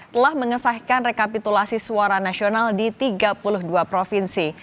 telah mengesahkan rekapitulasi suara nasional di tiga puluh dua provinsi